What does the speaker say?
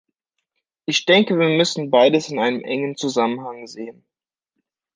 Ich denke, wir müssen beides in einem engem Zusammenhang sehen.